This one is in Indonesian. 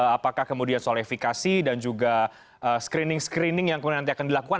apakah kemudian solifikasi dan juga screening screening yang kemudian nanti akan dilakukan